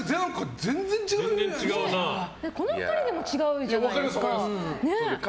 この２人でも違うじゃないですか。